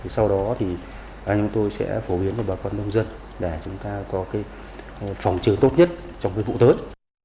sau đó thì anh em tôi sẽ phổ biến cho bà con nông dân để chúng ta có phòng chữa tốt nhất trong vụ tới